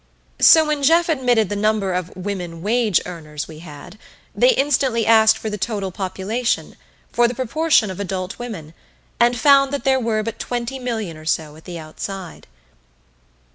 So when Jeff admitted the number of "women wage earners" we had, they instantly asked for the total population, for the proportion of adult women, and found that there were but twenty million or so at the outside.